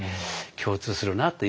共通するなって。